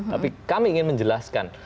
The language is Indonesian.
tapi kami ingin menjelaskan